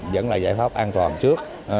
vẫn là giải pháp an toàn trước